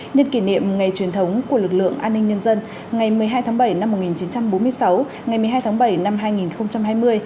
nhân kỷ niệm ngày truyền thống của lực lượng an ninh nhân dân ngày một mươi hai tháng bảy năm một nghìn chín trăm bốn mươi sáu ngày một mươi hai tháng bảy năm hai nghìn hai mươi